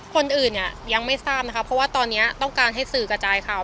คนอื่นเนี่ยยังไม่ทราบนะคะเพราะว่าตอนนี้ต้องการให้สื่อกระจายข่าว